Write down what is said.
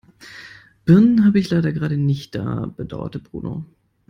Birnen habe ich leider gerade nicht da, bedauerte Bruno.